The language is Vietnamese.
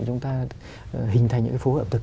chúng ta hình thành những cái phố ẩm thực